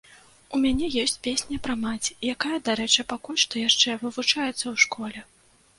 У мяне ёсць песня пра маці, якая, дарэчы, пакуль што яшчэ вывучаецца ў школе.